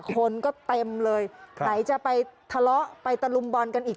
คนก็เต็มเลยไหนจะไปทะเลาะไปตะลุมบอลกันอีก